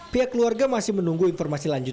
pihak keluarga masih menunggu informasi lanjut